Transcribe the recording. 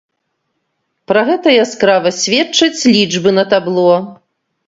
Пра гэта яскрава сведчаць лічбы на табло.